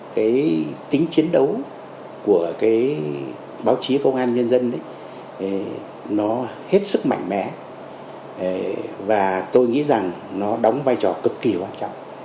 cái tính chiến đấu của cái báo chí công an nhân dân nó hết sức mạnh mẽ và tôi nghĩ rằng nó đóng vai trò cực kỳ quan trọng